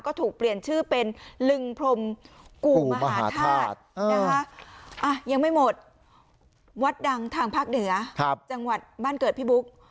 ก็ถูกเปลี่ยนชื่อเป็นลึงพรมกู่มหาธาตุนะคะยังไม่หมดวัดดังทางภาคเหนือจังหวัดบ้านเกิดพี่บุ๊ก